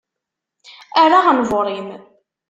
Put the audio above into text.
Err aɣenbur-im.